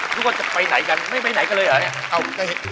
ว่าจะไปไหนกันไม่ไปไหนกันเลยเหรอเนี่ย